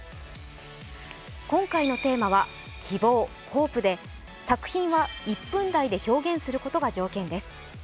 今回のテーマは「希望・ホープ」で作品は１分台で表現することが条件です。